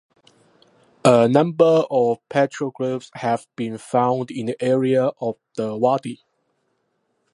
A number of petroglyphs have been found in the area of the wadi.